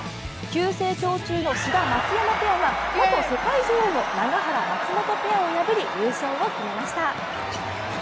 急成長中の志田・松山ペアが元世界女王の永原・松本ペアを破り、優勝を決めました。